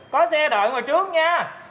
có xe đợi ngồi trước nha